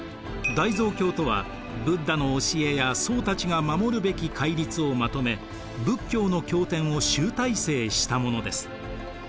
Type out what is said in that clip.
大蔵経とはブッダの教えや僧たちが守るべき戒律をまとめ仏教の経典を集大成したものです。